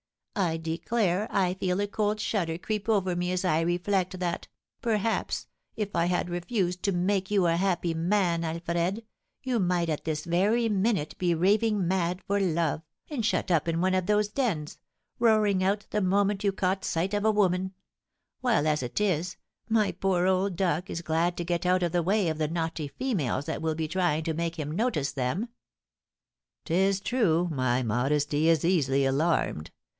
I declare I feel a cold shudder creep over me as I reflect that, perhaps, if I had refused to make you a happy man, Alfred, you might at this very minute be raving mad for love, and shut up in one of these dens, roaring out the moment you caught sight of a woman; while as it is, my poor old duck is glad to get out of the way of the naughty females that will be trying to make him notice them." "'Tis true, my modesty is easily alarmed.